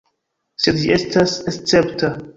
Sed ĝi estas escepta.